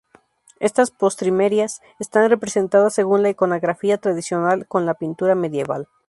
Estas postrimerías están representadas según la iconografía tradicional en la pintura medieval.